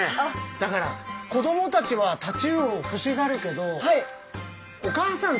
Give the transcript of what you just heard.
だから子どもたちはタチウオを欲しがるけどお母さんたちがね